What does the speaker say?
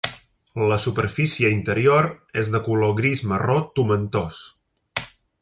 La superfície interior és de color gris marró tomentós.